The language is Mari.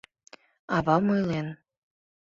Авам ойлен.